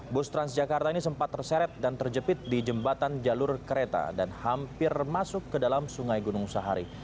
bus transjakarta ini sempat terseret dan terjepit di jembatan jalur kereta dan hampir masuk ke dalam sungai gunung sahari